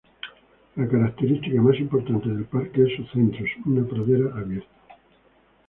La característica más importante del parque es su centro, una pradera abierta.